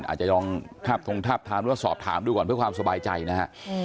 อาจจะลองทาบทงทาบทามหรือว่าสอบถามดูก่อนเพื่อความสบายใจนะฮะ